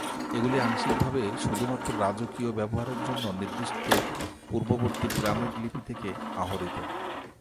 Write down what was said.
এগুলি আংশিকভাবে শুধুমাত্র রাজকীয় ব্যবহারের জন্য নির্দিষ্ট পূর্ববর্তী পিরামিড লিপি থেকে আহরিত।